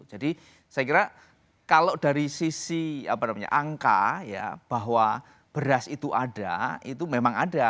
jadi saya kira kalau dari sisi apa namanya angka ya bahwa beras itu ada itu memang ada